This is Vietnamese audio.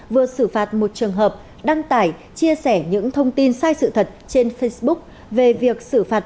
vừa xử phạt một trường hợp đăng tải chia sẻ những thông tin sai sự thật trên facebook về việc xử phạt